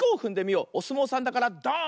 おすもうさんだからドーン！